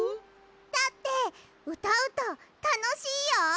だってうたうとたのしいよ！